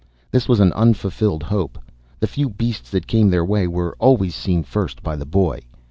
This was an unfulfilled hope. The few beasts that came their way were always seen first by the boy.